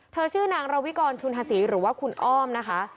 ชื่อนางระวิกรชุนฮศรีหรือว่าคุณอ้อมนะคะ